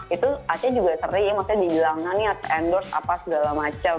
itu aca juga sering maksudnya dihilangkan nih aca endorse apa segala macem